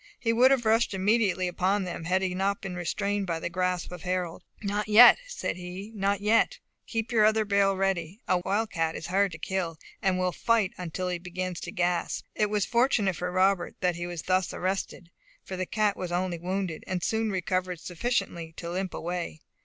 He would have rushed immediately upon them, had he not been restrained by the grasp of Harold. "Not yet!" said he, "not yet! keep your other barrel ready, a wildcat is hard to kill, and will fight until he begins to gasp." It was fortunate for Robert that he was thus arrested, for the cat was only wounded, and soon recovered sufficiently to limp away.